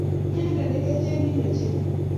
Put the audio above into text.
inyendet nikyachengin ochei